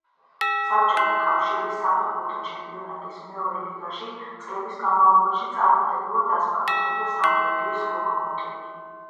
საბჭოთა კავშირის საფეხბურთო ჩემპიონატის მეორე ლიგაში წლების განმავლობაში წარმატებულად ასპარეზობდა სამტრედიის „ლოკომოტივი“.